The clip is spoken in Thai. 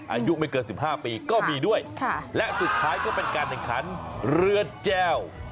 อายุไม่เกิน๑๕ปีก็มีด้วยและสุดท้ายก็เป็นการแข่งขันเรือแจ้ว